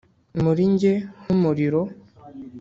muri njye nk'umuriro.